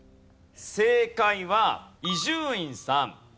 正解は伊集院さん